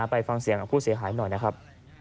ไปฟังเสียงของผู้เสียหายหน่อยนะครับ